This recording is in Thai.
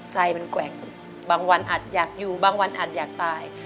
ใจมันแกว่งบางวันอาจอยากอยู่บางวันอาจอยากตาย